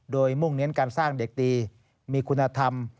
โดยมุ่งเน้นการสร้างเด็กดีมีคุณธรรม